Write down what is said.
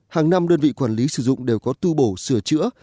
hàng năm đơn vị quản lý sử dụng đều có tu bổ sửa chữa